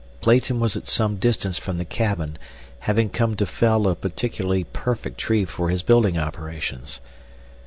Clayton was at some distance from the cabin, having come to fell a particularly perfect tree for his building operations.